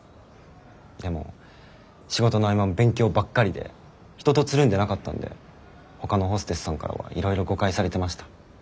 でも仕事の合間も勉強ばっかりで人とつるんでなかったんでほかのホステスさんからはいろいろ誤解されてました。